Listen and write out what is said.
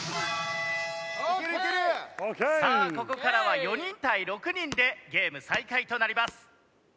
さあここからは４人対６人でゲーム再開となります。